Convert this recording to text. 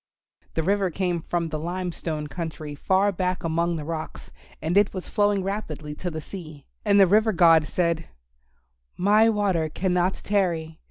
The river came from the Lime Stone country far back among the rocks, and it was flowing rapidly to the sea. And the River God said, "My water cannot tarry.